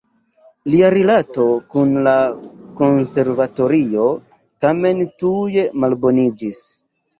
Lia rilato kun la konservatorio tamen tuj malboniĝis.